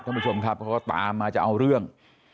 ท่านผู้ชมทัพเขาก็ตามมาจะเอาเรื่อง